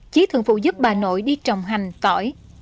chí thường phụ giúp bà nội đi trồng hành tỏi